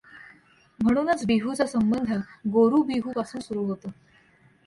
म्हणुनच बिहूचा संबंध गोरु बिहू पासुन सुरु होतो.